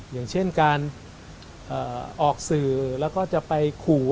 อย่างเช่นการออกสื่อแล้วก็จะไปขู่